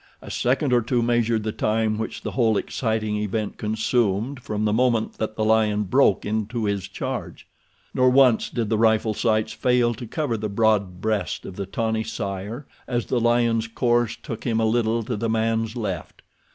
A second or two measured the time which the whole exciting event consumed from the moment that the lion broke into his charge. Nor once did the rifle sights fail to cover the broad breast of the tawny sire as the lion's course took him a little to the man's left.